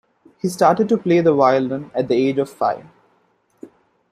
He started to play the violin at the age of five.